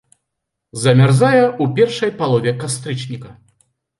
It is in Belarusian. Замярзае ў першай палове кастрычніка.